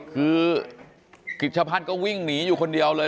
คือกิจชะพัฒน์ก็วิ่งหนีอยู่คนเดียวเลย